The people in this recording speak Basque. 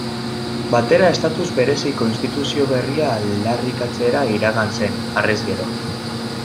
Batera estatus bereziko instituzio berria aldarrikatzera iragan zen, harrez gero.